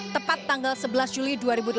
tepat tanggal sebelas juli dua ribu delapan belas